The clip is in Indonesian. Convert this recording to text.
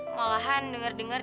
malahan denger dengar itu